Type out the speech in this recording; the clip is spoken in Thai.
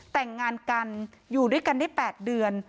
แต่งงานกันอยู่ด้วยกันได้๘เดือน